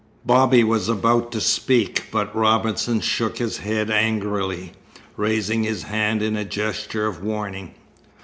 Bobby was about to speak, but Robinson shook his head angrily, raising his hand in a gesture of warning.